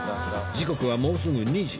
時刻はもうすぐ２時